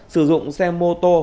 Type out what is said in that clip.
sử dụng xe mô tô